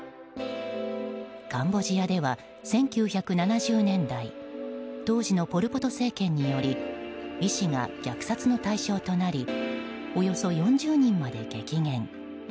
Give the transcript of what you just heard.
カンボジアでは１９７０年代当時のポル・ポト政権により医師が虐殺の対象となりおよそ４０人まで激減。